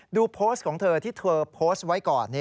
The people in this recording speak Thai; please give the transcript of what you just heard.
ดูโพสต์ของเธอที่เธอโพสต์ไว้ก่อน